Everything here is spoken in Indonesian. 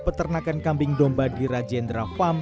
peternakan kambing domba di rajendra fam